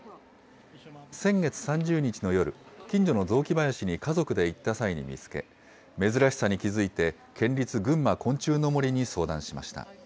先月３０日の夜、近所の雑木林に家族で行った際に見つけ、珍しさに気付いて、県立ぐんま昆虫の森に相談しました。